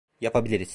Yapabiliriz.